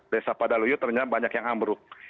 desa padaluyu ternyata banyak yang ambruk